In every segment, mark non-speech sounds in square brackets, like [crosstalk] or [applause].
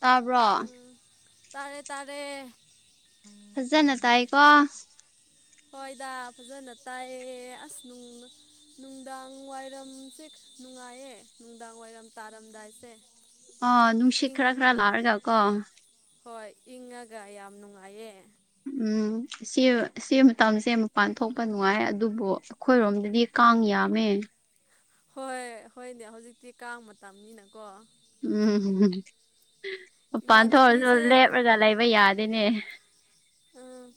ꯇꯥꯕ꯭ꯔꯣ ꯇꯔꯦ ꯇꯔꯦ ꯐꯖꯅ ꯇꯥꯏꯀꯣ ꯍꯣꯏꯗ ꯐꯖꯅ ꯇꯥꯏꯌꯦ ꯑꯁꯅꯨꯡ ꯅꯨꯡꯗꯥꯡ ꯋꯥꯏꯔꯝ ꯁꯦ ꯅꯨꯡꯉꯥꯏꯌꯦ ꯅꯨꯡꯗꯥꯡ ꯋꯥꯏꯔꯝ ꯇꯥꯔꯝꯗꯥꯏꯁꯦ ꯑ ꯅꯨꯡꯁꯤꯠ ꯏꯪ ꯈꯔ ꯈꯔ ꯂꯥꯛꯔꯒ ꯀꯣ ꯍꯣꯏ ꯏꯪꯉꯒ ꯌꯥꯝ ꯅꯨꯡꯉꯥꯏꯌꯦ ꯎꯝ ꯁꯤ ꯁꯤ ꯃꯇꯝꯁꯦ ꯃꯄꯥꯟ ꯊꯣꯛꯄ ꯅꯨꯡꯉꯥꯏ ꯑꯗꯨꯕꯨ ꯑꯩꯈꯣꯏꯔꯣꯝꯗꯗꯤ ꯀꯥꯡꯌꯥꯃꯦ ꯍꯣꯏ ꯍꯣꯏꯅꯦ ꯍꯧꯖꯤꯛꯇꯤ ꯀꯥꯡ ꯃꯇꯝꯅꯤꯅꯀꯣ ꯎꯝꯝ ꯃꯄꯥꯟ ꯊꯣꯛꯑꯁꯨ ꯏꯃꯥꯟꯅꯕꯤꯁꯦ ꯂꯦꯞꯔꯒ ꯂꯩꯕ ꯌꯥꯗꯦꯅꯦ ꯎꯝ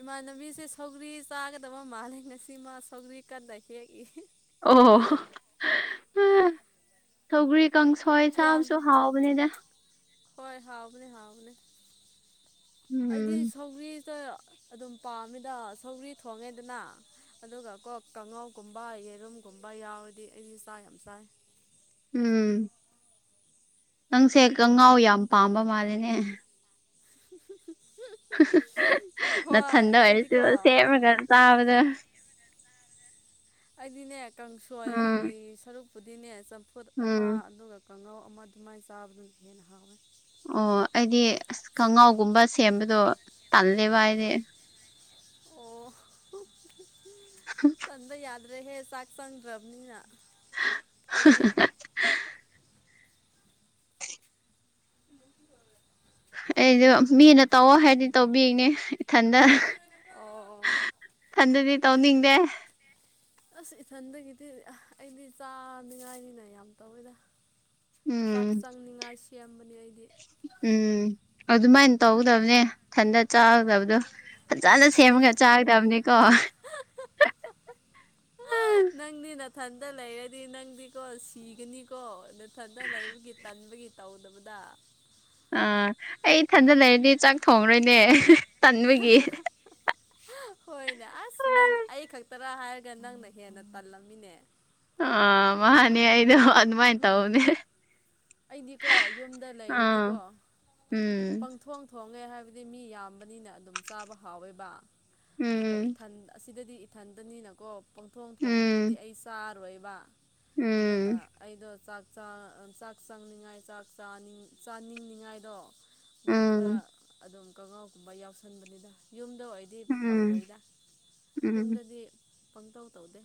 ꯏꯃꯅꯕꯤ ꯁꯧꯒ꯭ꯔꯤ ꯆꯥꯒꯗꯕ ꯃꯥꯂꯦ ꯉꯁꯤ ꯃꯥ ꯁꯧꯒ꯭ꯔꯤ ꯀꯟꯅ ꯍꯦꯛꯏ ꯑꯣ ꯊꯧꯒ꯭ꯔꯤ ꯀꯪꯁꯣꯏ ꯌꯥꯝ ꯆꯕꯁꯨ ꯍꯥꯎꯕꯅꯤꯗ ꯍꯣꯏ ꯍꯥꯎꯕꯅꯦ ꯍꯥꯎꯕꯅꯦ ꯑꯩꯗꯤ ꯎꯝ ꯁꯧꯒ꯭ꯔꯤ ꯑꯗꯨꯝ ꯄꯥꯝꯃꯦꯗ ꯁꯧꯒ꯭ꯔꯤ ꯊꯣꯡꯉꯦꯗꯅ ꯑꯗꯨꯒ ꯀꯣ ꯀꯥꯡꯉꯧꯒꯨꯝꯕ ꯌꯦꯔꯨꯝꯒꯨꯝꯕ ꯌꯥꯎꯔꯗꯤ ꯑꯩꯗꯤ ꯆꯥꯛ ꯌꯥꯝ ꯆꯥꯏ ꯎꯝ ꯅꯪꯁꯦ ꯀꯉꯥꯎ ꯌꯥꯝ ꯄꯥꯝꯕ ꯃꯥꯜꯂꯤꯅꯦ ꯍꯣꯏ ꯅꯊꯟꯗ ꯑꯩꯗꯤꯀꯣ ꯑꯣꯏꯔꯁꯨ ꯁꯦꯝꯔꯒ ꯆꯕꯗ ꯑꯩꯗꯤꯅꯦ ꯀꯪꯁꯣꯏ ꯎꯝ ꯁꯔꯨꯛꯄꯨꯗꯤꯅꯦ ꯆꯝꯐꯨꯠ ꯑꯃ ꯎꯝ ꯑꯗꯨꯒ ꯀꯥꯡꯉꯧ ꯑꯃ ꯑꯗꯨꯃꯥꯏꯅ ꯆꯥꯕꯗꯨꯅ ꯍꯦꯟꯅ ꯍꯥꯎꯋꯦ ꯑꯣ ꯑꯩꯗꯤ ꯑꯁ ꯀꯉꯥꯎꯒꯨꯝꯕ ꯁꯦꯝꯕꯗꯣ ꯇꯜꯂꯦꯕ ꯑꯩꯗꯤ ꯎꯝ ꯑꯣ ꯇꯟꯕ ꯌꯥꯗ ꯑꯗꯨꯅꯦ ꯆꯥꯛ ꯆꯪꯗ꯭ꯔꯕꯅꯤꯅ ꯑꯩꯗꯤ ꯑꯩꯗꯨ ꯃꯤꯅ ꯇꯧꯑꯣ ꯍꯥꯏꯗꯤ ꯇꯧꯕꯤꯅꯦ ꯏꯊꯟꯗ ꯑꯣ ꯊꯟꯗꯗꯤ ꯇꯧꯅꯤꯡꯗꯦ ꯑꯁ ꯏꯊꯟꯗꯒꯤꯗꯤ ꯑꯩꯗꯤ ꯆꯥꯅꯤꯡꯉꯥꯏꯅꯤꯅ ꯌꯥꯝ ꯇꯧꯋꯦꯗ ꯆꯥꯛ ꯎꯝ ꯆꯪꯅꯤꯉꯥꯏ ꯁꯦꯝꯕꯅꯤ ꯎꯝ ꯑꯗꯨꯃꯥꯏꯅ ꯇꯧꯒꯗꯕꯅꯦ ꯏꯊꯟꯇ ꯍꯣꯏ ꯆꯥꯒꯗꯕꯗꯣ ꯐꯖꯅ ꯁꯦꯝꯃꯒ ꯆꯥꯒꯗꯕꯅꯤꯀꯣ ꯅꯪꯅꯤ ꯊꯟꯗ ꯂꯩꯔꯗꯤ ꯅꯪꯗꯤꯀꯣ ꯁꯤꯒꯅꯤꯀꯣ ꯅꯊꯟꯗ ꯂꯩꯕꯒꯤ ꯇꯟꯕꯒꯤ ꯇꯧꯗꯕꯗ ꯑ ꯑꯥ ꯑꯩ ꯏꯊꯟꯗ ꯂꯩꯔꯗꯤ ꯆꯥꯛ ꯊꯣꯡꯉꯔꯣꯏꯅꯦ [inaudible] ꯍꯣꯏꯅꯦ ꯑꯁ ꯅꯪ ꯑꯩ ꯈꯛꯇꯔ ꯍꯥꯏꯔꯒ ꯅꯪꯅ ꯍꯦꯟꯅ ꯇꯜꯂꯝꯃꯤꯅꯦ ꯑ ꯃꯥꯅꯤ ꯑꯩꯗꯣ ꯑꯗꯨꯃꯥꯏꯅ ꯇꯧꯅꯦ ꯑꯩꯗꯤꯀꯣ ꯌꯨꯝꯗ ꯂꯩꯔꯗꯤꯀꯣ ꯎꯝ ꯄꯪꯊꯣꯛ ꯊꯣꯡꯉꯦ ꯍꯥꯏꯕꯗꯤ ꯃꯤ ꯌꯥꯝꯕꯅꯤꯅ ꯑꯗꯨꯝ ꯆꯥꯕ ꯍꯥꯎꯋꯦꯕ ꯑꯗꯨꯒ ꯎꯝ ꯏꯊꯟ ꯑꯁꯤꯗꯗꯤ ꯃꯊꯟꯇꯅꯤꯅꯀꯣ ꯄꯪꯊꯣꯡ ꯊꯣꯡꯕꯤꯔꯗꯤ ꯎꯝ ꯑꯩ ꯆꯥꯔꯣꯏꯕ ꯑꯗꯨꯅ ꯎꯝ ꯑꯩꯗꯣ ꯆꯥꯛ ꯆꯥꯛ ꯆꯪꯅꯤꯡꯉꯥꯏ ꯆꯥꯛ ꯆꯥꯅꯤꯡꯅꯤꯉꯥꯏꯗꯣ ꯑꯗꯨꯝ ꯈꯔ ꯎꯝ ꯑꯗꯨꯝ ꯀꯉꯥꯎꯒꯨꯝꯕ ꯌꯥꯎꯁꯟꯕꯅꯤꯗ ꯌꯨꯝꯗ ꯑꯣꯏꯗꯤ ꯎꯝ ꯇꯧꯔꯣꯏꯗ ꯎꯝ ꯌꯨꯝꯗꯗꯤ ꯄꯟꯊꯧ ꯇꯧꯗꯦ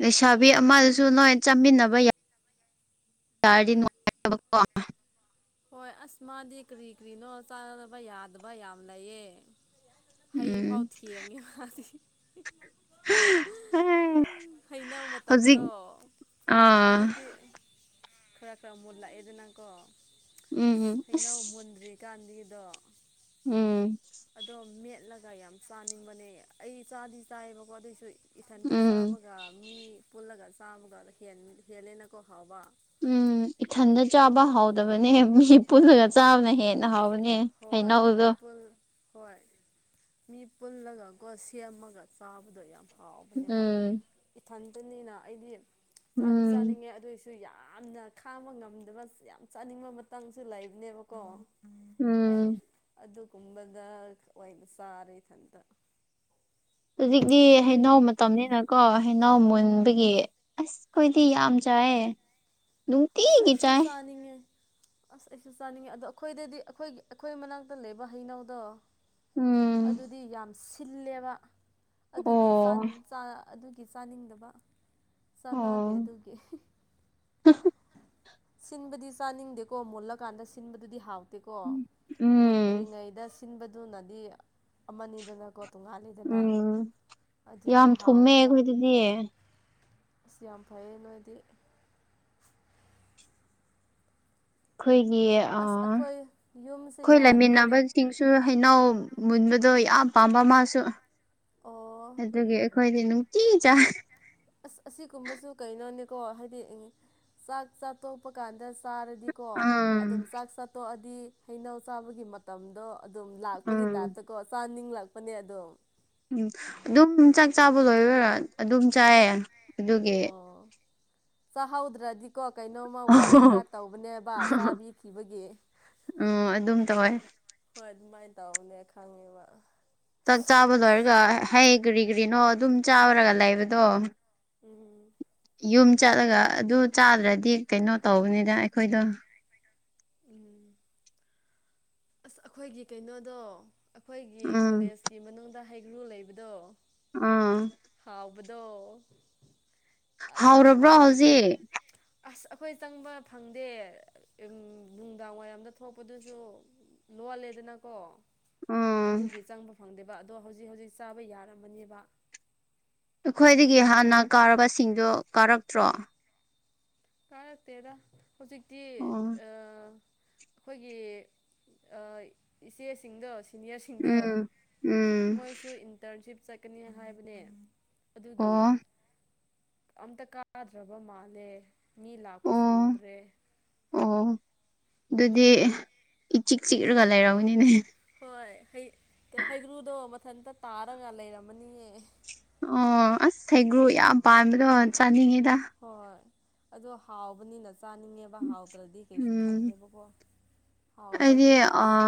ꯂꯩꯁꯥꯕꯤ ꯑꯃꯗꯁꯨ ꯅꯣꯏ ꯆꯥꯃꯤꯟꯅꯕ ꯌꯥꯏ ꯆꯥꯗꯤꯅꯨꯡꯉꯥꯏ ꯆꯕꯀ ꯍꯣꯏ ꯑꯁ ꯃꯥꯗꯤ ꯀꯔꯤ ꯀꯔꯤꯅꯣ ꯆꯥꯅꯕ ꯌꯥꯗꯕ ꯌꯥꯝ ꯂꯩꯌꯦ ꯍꯩ ꯐꯥꯎ ꯎꯝ ꯊꯈꯤ ꯌꯦꯡꯉꯦꯗꯤ ꯎ ꯍꯩꯅꯧ ꯍꯧꯖꯤꯛ ꯃꯇꯝꯗꯣ ꯑꯥ ꯍꯧꯖꯤꯛꯇꯤ ꯈꯔ ꯈꯔ ꯃꯨꯜꯂꯛꯑꯦꯗꯅꯀꯣ ꯎꯝ ꯍꯩꯅꯧ ꯑꯁ ꯃꯨꯟꯗ꯭ꯔꯤꯀꯥꯟꯗꯒꯤ ꯣ ꯎꯝ ꯑꯣ ꯃ ꯆꯠꯂꯒ ꯌꯥꯝ ꯆꯥꯅꯤꯡꯕꯅꯦ ꯑꯩ ꯆꯥꯗꯤ ꯆꯥꯏꯌꯦꯕꯀꯣ ꯑꯗꯨꯑꯣꯏꯁꯨ ꯏꯊꯟꯇ ꯎꯝ ꯆꯥꯕꯒ ꯃꯤ ꯄꯨꯜꯂꯒ ꯆꯥꯕꯒ ꯍꯦꯜꯂꯦꯅꯀꯣ ꯍꯥꯎꯕ ꯎꯝ ꯏꯊꯟꯗ ꯆꯥꯕ ꯍꯥꯎꯗꯕꯅꯦ ꯃꯤ ꯄꯨꯜꯂꯒ ꯆꯥꯕꯅ ꯍꯦꯟꯅ ꯍꯥꯎꯕꯅꯤ ꯑꯦ ꯀꯅ ꯍꯣꯏ ꯃꯤ ꯍꯗꯣ ꯄꯨꯜ ꯍꯣꯏ ꯃꯤ ꯄꯨꯜꯂꯒꯀꯣ ꯁꯦꯝꯃꯒ ꯆꯥꯕꯗꯣ ꯌꯥꯝ ꯍꯥꯎꯕꯅꯦꯕ ꯎꯝ ꯏꯊꯟꯇꯅꯤꯅ ꯑꯩꯗꯤ ꯆꯥꯗꯤ ꯎꯝ ꯆꯥꯅꯤꯡꯉꯦ ꯑꯗꯨꯏꯁꯨ ꯁꯨ ꯌꯥꯝꯅ ꯈꯥꯡꯕ ꯉꯝꯗꯕ ꯌꯥꯝ ꯆꯥꯅꯤꯡꯕ ꯃꯇꯥꯡꯁꯨ ꯂꯩꯕꯅꯦꯕꯀꯣ ꯎꯝ ꯑꯗꯨꯒꯨꯝꯕꯗ ꯑꯣꯏꯅ ꯆꯥꯔꯦ ꯏꯊꯟꯇ ꯍꯧꯖꯤꯛꯇꯤ ꯑꯩꯈꯣꯏ ꯍꯅꯥꯎ ꯃꯇꯝꯅꯤꯅꯀꯣ ꯍꯅꯥꯎ ꯍꯣꯏ ꯃꯨꯟꯕꯒꯤ ꯑꯁ ꯑꯩꯈꯣꯏꯗꯤ ꯌꯥꯝ ꯆꯥꯏꯌꯦ ꯑꯁ ꯅꯨꯡꯇꯤꯒꯤ ꯑꯩꯁꯨ ꯆꯥꯏ ꯆꯥꯅꯤꯡꯉꯦ ꯑꯁ ꯑꯩꯁꯨ ꯆꯥꯅꯤꯡꯉꯤ ꯑꯗꯣ ꯑꯩꯈꯣꯏꯗꯗꯤ ꯑꯩꯈꯣꯏꯒꯤ ꯑꯩꯈꯣꯏ ꯃꯅꯥꯛꯇ ꯂꯩꯕ ꯍꯩꯅꯧꯗꯣ ꯎꯝ ꯑꯗꯨꯗꯤ ꯌꯥꯝ ꯁꯤꯜꯂꯦꯕ ꯑꯗꯨꯒꯤ ꯑꯣ ꯑꯗꯨꯒꯤ ꯆꯥꯅꯤꯡꯗꯕ ꯆꯥꯟꯅꯗꯦ ꯑꯣ ꯑꯗꯨꯒꯤ ꯁꯤꯟꯕꯗꯤ ꯆꯥꯅꯤꯡꯗꯦꯀꯣ ꯃꯨꯜꯂꯀꯥꯟꯗ ꯁꯤꯟꯕꯗꯨꯗꯤ ꯍꯥꯎꯏ ꯀꯣ ꯎꯝ ꯃꯨꯟꯗ꯭ꯔꯤꯉꯩꯗ ꯁꯤꯟꯕꯗꯨꯅꯗꯤ ꯑꯃꯅꯤꯗꯅꯣ ꯎꯝ ꯌꯥꯝ ꯊꯨꯝꯃꯦ ꯍꯥꯎꯋꯦꯕ ꯑꯩꯈꯣꯏ ꯑꯗꯨꯗꯤ ꯑꯁ ꯌꯥꯝ ꯐꯩꯌꯦ ꯅꯣꯏꯗꯤ ꯑꯩꯈꯣꯏꯒꯤ ꯑꯁ ꯌꯨꯝꯁꯦ ꯑꯩꯈꯣꯏ ꯌꯥꯗ꯭ꯔꯦꯅꯦ ꯂꯩꯃꯤꯟꯅꯕꯁꯤꯡꯁꯨ ꯍꯩꯅꯎ ꯃꯨꯟꯕꯗꯣ ꯌꯥꯝ ꯄꯥꯝꯕ ꯃꯥꯁꯨ ꯑꯣ ꯑꯗꯨꯒꯤ ꯀꯣꯏꯗꯅꯨ ꯀ ꯏ ꯆꯥ ꯑꯁ ꯑꯁꯤꯒꯨꯝꯕꯁꯨ ꯀꯩꯅꯣꯅꯤꯀꯣ ꯍꯥꯏꯗꯤ ꯆꯥꯛ ꯆꯥ ꯇꯣꯛꯄ ꯀꯥꯟꯗ ꯆꯥꯔꯗꯤꯀꯣ ꯎꯝ ꯑꯗꯨꯝ ꯆꯥꯛ ꯆꯥꯠꯇꯣꯛꯑꯗꯤ ꯍꯩꯅꯧ ꯆꯥꯕꯒꯤ ꯃꯇꯝꯗꯣ ꯑꯗꯨꯝ ꯂꯥꯛꯄꯒꯤ ꯎꯝ ꯇꯥꯏꯞꯇꯀꯣ ꯆꯥꯅꯤꯡꯂꯛꯄꯅꯦ ꯑꯗꯨꯝ ꯎꯝ ꯑꯗꯨꯝ ꯆꯥꯛ ꯆꯥꯕ ꯂꯣꯏꯔꯔ ꯑꯗꯨꯝ ꯆꯥꯏꯌꯦ ꯑꯗꯨꯒꯤ ꯁꯍꯥꯎꯗ꯭ꯔꯙꯛ ꯀꯣ ꯀꯩꯅꯣꯝꯃ ꯋꯥꯠ ꯄꯇꯥꯠ ꯇꯧꯕꯅꯦꯕ ꯆꯥꯕꯤ ꯊꯤꯕꯒꯤ ꯎꯝ ꯑꯗꯨꯝ ꯇꯋꯥꯥꯏ ꯇꯎꯅꯦ ꯈꯉꯕ ꯆꯥꯛ ꯆꯥꯕ ꯂꯣꯏꯔꯒ ꯍꯩ ꯀ꯭ꯔꯤ ꯀ꯭ꯔꯤꯅꯣ ꯑꯗꯨꯝ ꯆꯥꯕꯔꯒ ꯂꯩꯕꯗꯣ ꯎꯝ ꯌꯨꯝ ꯆꯠꯂꯒ ꯑꯗꯨ ꯆꯥꯗ꯭ꯔꯗꯤ ꯀꯩꯅꯣ ꯇꯧꯕꯅꯤꯅ ꯑꯩꯈꯣꯏꯗꯣ ꯎꯝ ꯑꯁ ꯑꯩꯈꯣꯏꯒꯤ ꯀꯩꯅꯣꯗꯣ ꯑꯩꯈꯣꯏꯒꯤ ꯎꯝ ꯀꯣꯂꯦꯖꯀꯤ ꯃꯅꯨꯡꯗ ꯍꯩꯒ꯭ꯔꯨ ꯂꯩꯕꯗꯣ ꯑꯥ ꯍꯥꯎꯕꯨꯗꯣ ꯍꯥꯎꯔꯕ꯭ꯔꯣ ꯍꯧꯖꯤꯛ ꯑꯁ ꯑꯩꯈꯣꯏ ꯆꯪꯕ ꯐꯪꯗꯦ ꯅꯨꯡꯗꯥꯡ ꯋꯥꯏꯔꯝꯗ ꯊꯣꯛꯄꯗꯨꯁꯨ ꯂꯣꯜꯂꯦꯗꯅꯀꯣ ꯎꯝ ꯑꯗꯨꯒꯤ ꯆꯪꯕ ꯐꯪꯗꯦꯕ ꯑꯗꯣ ꯍꯧꯖꯤꯛ ꯍꯧꯖꯤꯛ ꯆꯥꯕ ꯌꯥꯔꯝꯃꯅꯦꯕ ꯑꯩꯈꯣꯏꯗꯒꯤ ꯍꯥꯟꯅ ꯀꯥꯔꯕꯁꯤꯡꯗꯨ ꯀꯥꯔꯛꯇ꯭ꯔꯣ ꯀꯥꯔꯛꯇꯦꯗ ꯍꯧꯖꯤꯛꯇꯤ ꯑꯣ ꯑ ꯑꯩꯈꯣꯏꯒꯤ ꯏꯆꯦꯁꯤꯡꯗ ꯁꯤꯅꯤꯌꯔꯁꯤꯡꯗ ꯎꯝ ꯎꯝ ꯃꯣꯏꯁꯨ ꯏꯟꯇꯔꯟꯁꯤꯞ ꯆꯠꯀꯅꯤ ꯍꯥꯏꯕꯅꯦ ꯑꯗꯨꯒꯤ ꯑꯣ ꯑꯝꯇ ꯀꯥꯗ꯭ꯔꯕ ꯃꯥꯜꯂꯦ ꯃꯤ ꯂꯥꯛꯄꯁꯨ ꯑꯣ ꯎꯗ꯭ꯔꯦ ꯑꯣ ꯑꯗꯨꯗꯤ ꯏꯆꯤꯛ ꯆꯤꯛꯂꯒ ꯂꯩꯔꯎꯅꯤꯅꯦ ꯍꯣꯏ ꯍꯩꯒ꯭ꯔꯨꯗꯣ ꯃꯊꯟꯇ ꯇꯥꯔꯒ ꯂꯩꯔꯝꯃꯅꯤꯌꯦ ꯑꯣ ꯑꯁ ꯍꯩꯒ꯭ꯔꯨ ꯌꯥꯝ ꯄꯥꯟꯕꯥꯗꯣ ꯆꯥꯅꯤꯡꯉꯤꯗ ꯍꯣꯏ ꯑꯗꯣ ꯍꯥꯎꯕꯅꯤꯅ ꯆꯥꯅꯤꯡꯉꯦꯕ ꯍꯥꯎꯇ꯭ꯔꯗꯤ ꯀꯩꯁꯨ ꯎꯝ ꯈꯟꯗꯦꯕꯀꯣ ꯑꯩꯗꯤ ꯍꯥꯎꯕꯒꯤ ꯑ ꯑꯁ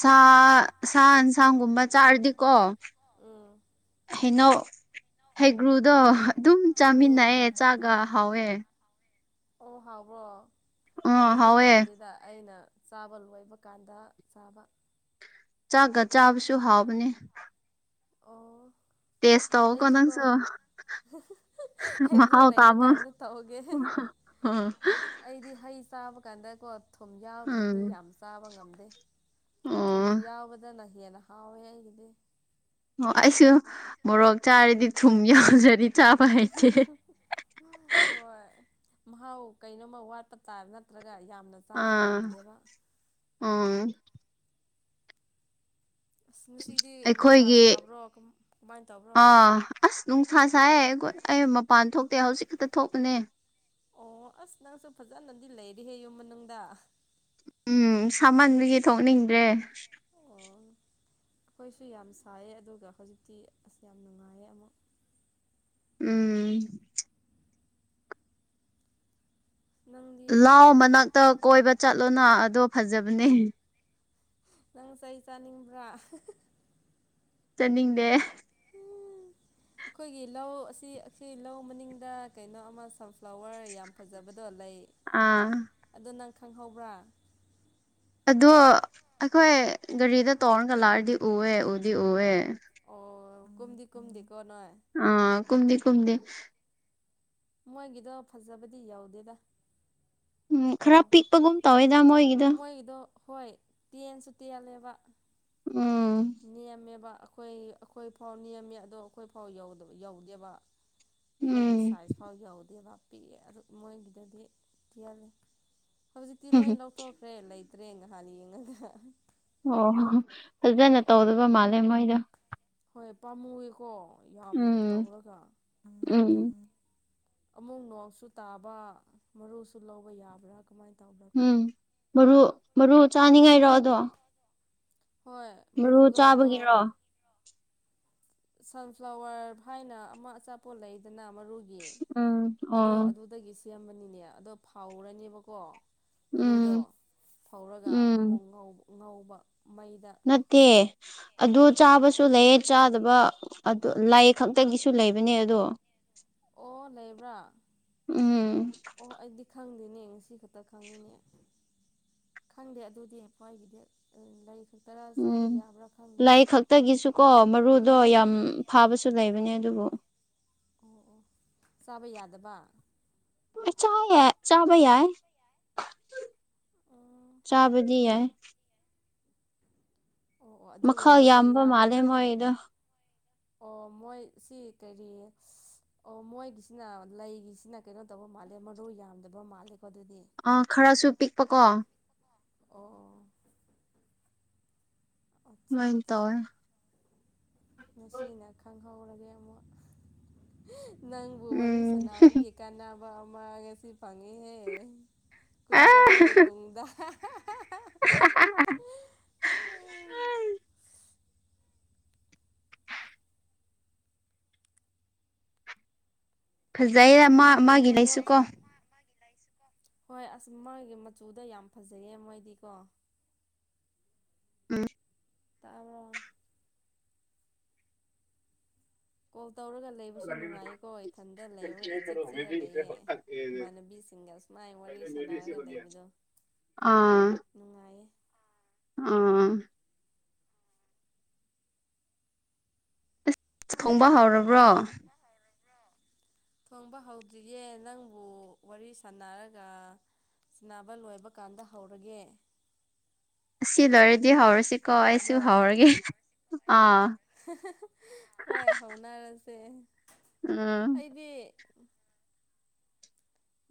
ꯁꯥ ꯁꯥꯟꯁꯥꯡꯒꯨꯝꯕ ꯆꯥꯔꯗꯤꯀꯣ ꯎꯝ ꯍꯩꯅꯧ ꯍꯩꯒ꯭ꯔꯨꯗꯣ ꯑꯗꯨꯝ ꯎꯝ ꯆꯥꯃꯤꯟꯅꯑꯦ ꯆꯥꯒ ꯍꯥꯎꯋꯦ ꯑꯣ ꯍꯥꯎꯕ꯭ꯔꯣ ꯑ ꯑꯗꯨꯗꯤ ꯍꯥꯎꯋꯦ ꯇꯧꯗꯦꯗ ꯑꯩꯅ ꯆꯥꯕ ꯂꯣꯏꯕ ꯀꯥꯟꯗ ꯆꯥꯕ ꯆꯥꯒ ꯆꯥꯕꯁꯨ ꯍꯥꯥꯎꯕꯅꯦ ꯑꯣ ꯇꯦꯁ ꯇ ꯑ ꯑꯩꯗꯤꯀꯣ ꯀꯅꯥꯪꯁꯨ ꯍꯩꯒ꯭ꯔꯨ ꯂꯩꯔꯀꯥꯟꯗ ꯇꯧꯒꯦ ꯎꯝ ꯑꯩꯗꯤ ꯍꯩ ꯆꯥꯕ ꯀꯥꯟꯗꯀꯣ ꯊꯨꯝ ꯌꯥꯎꯗ꯭ꯔꯗꯤ ꯎꯝ ꯌꯥꯝ ꯆꯥꯕ ꯉꯝꯗꯦ ꯊꯨꯝ ꯑꯣ ꯌꯥꯎꯕꯗꯅ ꯍꯦꯟꯅ ꯍꯥꯎꯋꯦ ꯑꯩꯒꯤꯗꯤ ꯑꯣ ꯑꯩꯁꯨ ꯃꯣꯔꯣꯛ ꯆꯥꯔꯗꯤ ꯊꯨꯝ ꯌꯥꯎꯖꯔꯤ ꯍꯣꯏ ꯃꯍꯥꯎ ꯀꯩꯅꯣꯝꯃ ꯋꯥꯠꯄ ꯇꯥꯕ ꯅꯠꯇ꯭ꯔꯒ ꯌꯥꯝꯅ ꯆꯥꯕ ꯑꯥ ꯉꯝꯗꯦꯕ ꯎꯝ ꯑꯁ ꯉꯁꯤꯗꯤ ꯅꯨꯡꯁꯥ ꯑꯩꯈꯣꯏꯒꯤ ꯁꯥꯕ꯭ꯔꯣ ꯀꯝ ꯀꯃꯥꯏꯅ ꯇꯧꯕ꯭ꯔꯣ ꯑꯥ ꯑꯁ ꯅꯨꯡꯁꯥ ꯁꯥꯏ ꯑꯩ ꯃꯄꯥꯟ ꯊꯣꯛꯇꯦ ꯍꯧꯖꯤꯛ ꯈꯛꯇ ꯊꯣꯛꯄꯅꯦ ꯑꯣ ꯑꯁ ꯅꯪꯁꯨ ꯐꯖꯅꯗꯤ ꯂꯩꯔꯤꯍꯦ ꯌꯨꯝ ꯃꯅꯨꯡꯗ ꯎꯝ ꯁꯃꯟꯗꯨꯒꯤ ꯊꯣꯛꯅꯤꯡꯗ꯭ꯔꯦ ꯇ ꯑꯩꯈꯣꯏꯁꯨ ꯌꯥꯝ ꯁꯥꯏꯌꯦ ꯑꯗꯨꯒ ꯍꯧꯖꯤꯛꯇꯤ ꯑꯁ ꯌꯥꯝ ꯅꯨꯡꯉꯥꯏꯌꯦ ꯑꯃꯨꯛ ꯎꯝ ꯅꯪꯗꯤ ꯂꯥꯎ ꯃꯅꯥꯛꯇ ꯀꯣꯏꯕ ꯆꯠꯂꯣꯅ ꯑꯗꯣ ꯐꯖꯕꯅꯦ ꯅꯪ ꯆꯩ ꯆꯥꯅꯤꯡꯕ꯭ꯔꯥ ꯆꯅꯤꯡꯗꯦ ꯍꯨꯡ ꯑꯩꯈꯣꯏꯒꯤ ꯂꯧ ꯑꯁꯤ ꯑꯩꯈꯣꯏ ꯂꯧ ꯃꯅꯤꯡꯗ ꯀꯩꯅꯣ ꯑꯃ ꯁꯟꯐ꯭ꯂꯥꯋꯔ ꯌꯥꯝ ꯐꯖꯕꯗꯣ ꯂꯩ ꯑꯥ ꯑꯗꯣ ꯅꯪ ꯈꯪꯍꯧꯕ꯭ꯔꯥ ꯑꯗꯣ ꯑꯩꯈꯣꯏ ꯒꯥꯔꯤꯗ ꯇꯣꯡꯔꯒ ꯂꯥꯛꯑꯔꯗꯤ ꯎꯑꯦ ꯎꯗꯤ ꯎꯑꯦ ꯑꯣ ꯨꯝꯨꯝꯗꯤ ꯀꯨꯝꯗꯤ ꯅꯣꯏ ꯑꯥ ꯀꯨꯝꯨꯝꯗꯤ ꯀꯨꯝꯗ ꯃꯣꯏꯒꯤꯗꯣ ꯐꯖꯕꯗꯤ ꯌꯥꯎꯗꯦꯗ ꯎꯝ ꯀꯣ ꯈꯔ ꯄꯤꯛꯄꯒꯨꯝ ꯇꯧꯋꯦꯗ ꯃꯣꯏꯒꯤꯗꯣ ꯍꯣꯏ ꯇꯦꯟꯁꯨ ꯇꯦꯜꯂꯦꯕ ꯎꯝ ꯅꯦꯝꯃꯦꯕ ꯑꯩꯈꯣꯏ ꯑꯩꯈꯣꯏ ꯐꯥꯎ ꯅꯦꯝꯃꯦ ꯑꯗꯣ ꯑꯩꯈꯣꯏ ꯐꯥꯎ ꯌꯧꯗꯦꯕ ꯑꯩꯈꯣꯏꯒꯤ ꯎꯝ ꯁꯥꯏꯖ ꯐꯥꯎ ꯌꯥꯎꯗꯦꯕ ꯄꯤꯛꯑꯦ ꯑꯗꯨ ꯃꯣꯏꯒꯤꯗꯗꯤ ꯊꯤꯍꯜꯂꯦ ꯍꯧꯖꯤꯛꯇꯤ ꯂꯣꯏ ꯎꯝ ꯂꯧꯊꯣꯛꯈ꯭ꯔꯦ ꯂꯩ ꯆꯠꯇ꯭ꯔꯦꯉ ꯍ ꯌꯦꯉ ꯑꯣ ꯍꯣ ꯐꯖꯅ ꯇꯧꯗꯕ ꯃꯥꯜꯂꯦ ꯃꯣꯏꯗ ꯍꯣꯏ ꯄꯥꯝꯃꯨꯋꯦꯀꯣ ꯌꯥꯝ ꯎꯝ ꯇꯧꯔꯒ ꯎꯝ ꯎꯝ ꯑꯃꯨꯛ ꯣꯡꯁꯨ ꯇꯥꯕ ꯃꯔꯨꯁꯨ ꯂꯧꯕ ꯌꯥꯕ꯭ꯔꯥ ꯀꯃꯥꯏꯅ ꯇ ꯎꯝ ꯃꯔꯨ ꯃꯔꯨ ꯆꯥꯅꯤꯉꯥꯏꯔꯣ ꯑꯗꯣ ꯍꯣꯏ ꯃꯔꯨ ꯃꯔꯨꯗꯣ ꯑꯗꯣ ꯆꯥꯕꯒꯤꯔꯣ ꯁꯟꯐ꯭ꯂꯥꯋꯔ ꯍꯥꯏꯅ ꯑꯃ ꯑꯆꯥꯄꯣ ꯂꯩꯗꯅ ꯃꯔꯨ ꯎꯝ ꯑꯗꯣ ꯑꯣ ꯑꯗꯨꯗꯒꯤ ꯁꯦꯝꯕꯅꯤꯅꯦ ꯑꯗꯣ ꯐꯥꯎꯔꯅꯦꯕꯀꯣ ꯃꯔꯨꯗꯣ ꯎꯝ ꯐꯧꯔꯒ ꯎꯝ ꯑꯃꯨꯛ ꯉꯧꯕ ꯃꯩꯗ ꯅꯠꯇꯦ ꯑꯗꯨ ꯆꯥꯕꯁꯨ ꯂꯩꯌꯦ ꯆꯥꯗꯕ ꯑ ꯂꯥꯏ ꯈꯛꯇꯒꯤꯁꯨ ꯂꯩꯕꯅꯦ ꯑꯗꯣ ꯑꯣ ꯂꯩꯕ꯭ꯔꯥ ꯎꯝ ꯑꯣ ꯑꯩꯗꯤ ꯈꯪꯗꯦꯅꯦ ꯉꯁꯤ ꯈꯛꯇ ꯈꯪꯉꯤꯅꯦ ꯈꯪꯗꯦ ꯑꯗꯨꯗꯤ꯭ꯋꯥꯏꯒꯤꯗꯤ ꯂꯩ ꯈꯛꯇꯔ ꯆꯥꯕ ꯎꯝ ꯌꯥꯕ꯭ꯔꯥ ꯈꯪꯗꯦ ꯂꯥꯏ ꯈꯛꯇꯒꯤꯁꯨꯀꯣ ꯃꯔꯨꯗꯣ ꯌꯥꯝ ꯎꯝ ꯐꯥꯕꯁꯨ ꯂꯩꯕꯅꯦ ꯑꯗꯨꯕꯨ ꯑꯣ ꯑꯣ ꯆꯥꯕ ꯌꯥꯗꯕ ꯆꯥ ꯆꯥꯕ ꯌꯥꯏ ꯑꯣ ꯆꯥꯕꯗꯤ ꯌꯥꯏ ꯑꯣ ꯑꯗꯨꯒ ꯃꯈꯥ ꯌꯥꯝꯕ ꯌꯥꯝ ꯃꯥꯜꯂꯦ ꯃꯣꯏꯗꯣ ꯑꯣ ꯃꯣꯏ ꯁꯤ ꯀꯔꯤ ꯑꯣ ꯃꯣꯏꯒꯤꯁꯤꯅ ꯂꯩꯒꯤꯁꯤꯅ ꯀꯩꯅꯣ ꯇꯧꯕ ꯃꯥꯜꯂꯦ ꯃꯔꯨ ꯌꯥꯝꯗꯕ ꯃꯥꯜꯂꯦ ꯑ ꯈꯔꯁꯨ ꯄꯤꯛꯄꯀꯣ ꯑꯣ ꯃꯥꯏ ꯇꯧꯔ ꯃꯁꯤꯅ ꯈꯪꯍꯧꯔꯒꯦ ꯑꯃꯨꯛ ꯅꯪꯕꯨ ꯋꯥꯔꯤ ꯎꯝ ꯁꯥꯟꯅꯕꯒꯤ ꯀꯥꯟꯅꯕ ꯑꯃ ꯉꯁꯤ ꯐꯪꯉꯦꯍꯦ ꯀꯨꯏꯔꯕꯒꯤ ꯇꯨꯡꯗ ꯎꯝ ꯐꯖꯩꯌꯦ ꯃꯥ ꯅꯣꯡ ꯃꯥꯒꯤ ꯂꯩꯁꯨ ꯐꯥꯗꯣꯛ ꯀꯣ ꯍꯣꯏ ꯑꯁ ꯃꯥꯒꯤ ꯃꯆꯨꯗ ꯌꯥꯝ ꯐꯖꯩꯌꯦ ꯃꯣꯏꯗꯤꯀꯣ ꯎꯝ ꯑ ꯇꯥꯔꯣ ꯀꯣꯜ ꯇꯧꯔꯒ ꯂꯩꯕꯁꯨ ꯅꯨꯡꯉꯥꯏꯌꯦꯀꯣ ꯏꯊꯟꯇ ꯂꯩꯔꯒ ꯏꯆꯤꯛ ꯆꯤꯛꯑ ꯂꯩꯌꯦ ꯏꯃꯥꯟꯅꯕꯤꯁꯤꯡꯒ ꯁꯨꯃꯥꯏ ꯋꯥꯔꯤ ꯁꯥꯟꯅꯔꯒ ꯂꯩꯕꯗꯣ ꯑꯥ ꯅꯨꯡꯉꯥꯏꯌꯦ ꯑꯥ ꯑꯁ ꯈꯣꯡꯕ ꯍꯧꯥꯎꯔꯕ꯭ꯔꯣ ꯊꯣꯡꯕ ꯍꯧꯗ꯭ꯔꯤꯌꯦꯦ ꯅꯪꯕꯨ ꯋꯥꯔꯤ ꯁꯥꯟꯅꯔꯒ ꯁꯤꯕ ꯂꯣꯏꯕ ꯀꯥꯟꯗ ꯍꯧꯔꯒꯦ ꯑ ꯁꯤ ꯂꯣꯔꯗꯤ ꯍꯔ ꯇꯥꯕ꯭ꯔꯣ ꯑꯥ ꯍꯣꯏ ꯍꯧꯅꯔꯁꯤ ꯁꯦ ꯎꯝ ꯑꯩꯗꯤ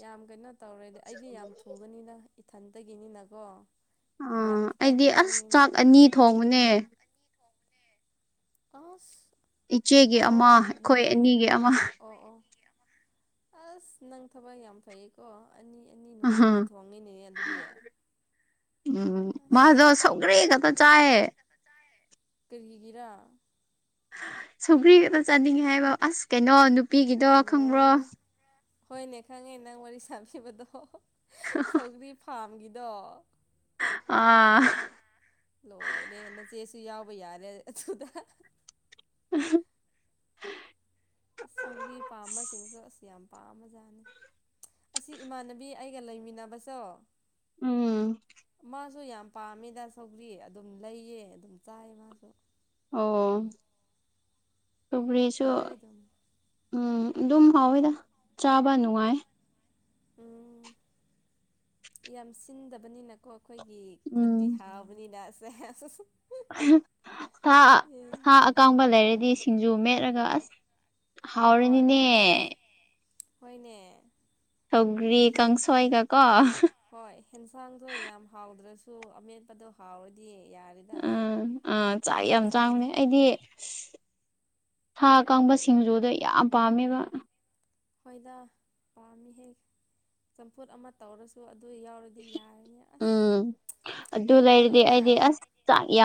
ꯌꯥꯝ ꯀꯩꯅꯣ ꯇꯧꯔꯦꯗꯤ ꯑꯩꯗꯤ ꯌꯥꯝ ꯊꯨꯕꯅꯤꯅ ꯏꯊꯟꯇꯒꯤꯅꯤꯅꯀꯣ ꯌꯥꯝ ꯑꯥ ꯈꯤꯇꯪ ꯑꯩꯗꯤ ꯑꯁ ꯈꯤꯇꯪꯅꯤꯅ ꯆꯥꯛ ꯑꯅꯤ ꯊꯣꯡꯕꯅꯦ ꯑꯥꯁ ꯏꯆꯦꯒꯤ ꯑꯃ ꯑꯩꯈꯣꯏ ꯑꯅꯤꯒꯤ ꯑꯃ ꯑꯣ ꯑꯣ ꯑꯁ ꯅꯪ ꯊꯕꯛ ꯌꯥꯝ ꯐꯩꯌꯦꯀꯣ ꯑꯅꯤ ꯑꯅꯤ ꯅꯨꯡꯇꯤꯒꯤ ꯊꯣꯡꯉꯤꯅꯦ ꯑꯗꯨꯗꯤ ꯑꯝꯎꯝ ꯑꯁ ꯃꯥꯗ ꯁꯒꯔꯤ ꯗ ꯆꯥꯏꯍꯦ ꯀꯔꯤꯍꯤꯒꯔꯥ ꯁꯧꯒ꯭ꯔꯤ ꯒꯗ ꯆꯥꯅꯤꯡꯉꯤ ꯍꯥꯏꯕ ꯑꯁ ꯀꯩꯅꯣ ꯅꯨꯄꯤꯒꯤꯗꯣ ꯈꯪꯕ꯭ꯔꯣ ꯂꯣꯏꯔꯦ ꯍꯣꯏꯅꯦ ꯈꯪꯉꯦ ꯅꯪ ꯋꯥꯔꯤ ꯁꯥꯕꯤꯕꯗꯣ ꯁꯧꯒ꯭ꯔꯤ ꯐꯥꯔꯝꯒꯤꯗꯣ ꯑꯥ ꯂꯣꯏꯅꯦ ꯅꯆꯦꯁꯨ ꯌꯥꯎꯕ ꯌꯥꯔꯦ ꯑꯗꯨꯗ ꯑꯝꯍꯝ ꯁꯧꯒꯔꯤ ꯄꯥꯝꯕꯁꯤꯡꯁꯨ ꯑꯁ ꯌꯥꯝ ꯄꯥꯝꯃꯖꯥꯅꯤ ꯑꯁꯤ ꯏꯃꯥꯟꯅꯕꯤ ꯑꯩꯒ ꯂꯩꯃꯤꯟꯅꯕꯁꯣ ꯎꯝ ꯃꯥ ꯁꯨ ꯌꯥꯝ ꯄꯥꯝꯃꯤꯗ ꯁꯧꯒ꯭ꯔꯤ ꯑꯗꯨꯝ ꯂꯩꯌꯦ ꯑꯗꯨꯝ ꯆꯥꯏ ꯃꯥꯁꯨ ꯑꯣ ꯁꯧꯒꯔꯤꯁꯨ ꯍꯥꯎꯋꯦ ꯑꯗꯨꯝ ꯎꯝ ꯑꯗꯨꯝ ꯍꯥꯎꯋꯤꯗ ꯆꯥꯕ ꯅꯨꯡꯉꯥꯏ ꯎꯝ ꯌꯥꯝ ꯁꯤꯟꯗꯕꯅꯤꯅꯀꯣ ꯑꯩꯈꯣꯏꯒꯤ ꯈꯨꯠꯇꯤ ꯎꯝ ꯍꯥꯎꯕꯅꯤꯅꯁꯦ ꯑ ꯁꯥ ꯁꯥ ꯑꯀꯥꯡꯕ ꯂꯩꯔꯗꯤ ꯁꯤꯡꯖꯨ ꯃꯦꯠꯂꯒ ꯑꯁ ꯍꯣꯏ ꯍꯥꯎꯔꯅꯤꯅꯦ ꯑꯁ ꯍꯣꯏꯅꯦ ꯁꯧꯒ꯭ꯔꯤ ꯀꯥꯡꯁꯣꯏꯒ ꯀꯣ ꯍꯣꯏ ꯑꯦꯟꯁꯥꯡꯗꯣ ꯌꯥꯝ ꯍꯥꯎꯗ꯭ꯔꯁꯨ ꯁ ꯑꯃꯦꯠꯄꯗꯣ ꯍꯥꯎꯔꯗꯤ ꯌꯥꯔꯦꯗ ꯑꯥ ꯑꯥ ꯆꯥꯛ ꯌꯥꯝ ꯆꯥꯎꯅꯦ ꯑꯩꯗꯤ ꯊꯥ ꯀꯪꯕ ꯁꯤꯡꯖꯨꯗ ꯌꯥꯝ ꯄꯥꯝꯃꯦꯕ ꯍꯣꯏꯗ ꯄꯥꯝꯃꯤꯍꯦꯛ ꯆꯝꯐꯨꯠ ꯑꯃ ꯇꯧꯔꯁꯨ ꯑꯗꯨ ꯌꯥꯎꯔꯗꯤ ꯌꯥꯔꯅꯤ ꯑꯁ ꯎꯝ ꯑꯗꯨ ꯇꯤꯟ ꯂꯩꯔꯗꯤ ꯌꯣꯠꯂꯦꯗ ꯑꯩꯗꯤ ꯑꯁ ꯆꯥꯛ ꯌꯥꯝ